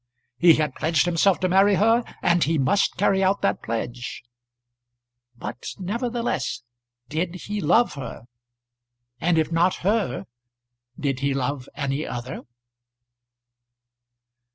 He had pledged himself to marry her, and he must carry out that pledge. But nevertheless did he love her? And if not her, did he love any other?